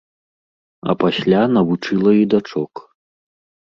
А пасля навучыла і дачок.